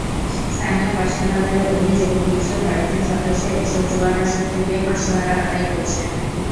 স্থানীয় বাসিন্দাদের অভিযোগ, পুলিশের কয়েকজন সদস্য এসব জুয়ার আসর থেকে মাসোহারা আদায় করছেন।